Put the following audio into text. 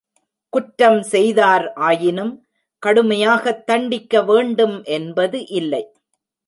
குற்றம் செய்தார் ஆயினும் கடுமையாகத் தண்டிக்க வேண்டும் என்பது இல்லை.